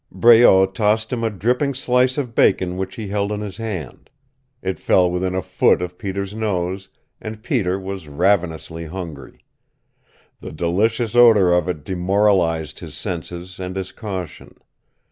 Breault tossed him a dripping slice of bacon which he held in his hand. It fell within a foot of Peter's nose, and Peter was ravenously hungry. The delicious odor of it demoralized his senses and his caution.